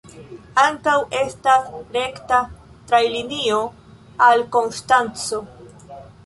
Ankaŭ estas rekta trajnlinio al Konstanco.